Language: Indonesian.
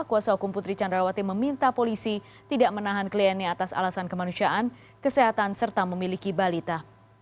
kuasa hukum putri candrawati meminta polisi tidak menahan kliennya atas alasan kemanusiaan kesehatan serta memiliki balita